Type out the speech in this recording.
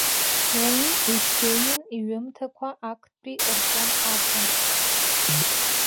Уи Есенин иҩымҭақәа актәи ртом акәын.